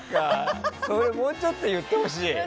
もうちょっと言ってほしいな。